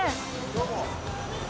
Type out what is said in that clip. どうも。